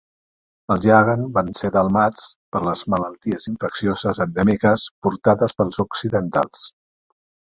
Els Yaghan van ser delmats per les malalties infeccioses endèmiques portades pels occidentals.